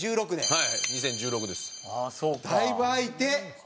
はい。